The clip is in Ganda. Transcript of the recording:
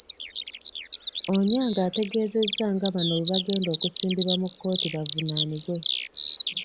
Onyango ategeezezza nga bano bwe bagenda okusimbibwa mu kkooti, bavunaanibwe.